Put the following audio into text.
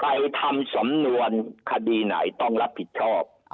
ไปทำสำนวนคดีไหนต้องรับผิดชอบ